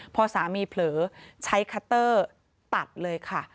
พอสามีเผลอใช้คัตเตอร์ตัดเลยค่ะ